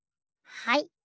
はい。